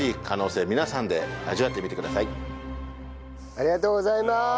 ありがとうございます！